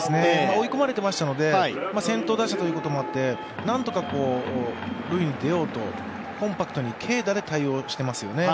追い込まれてましたので先頭打者ということもあってなんとか塁に出ようとコンパクトに軽打で対応していますよね。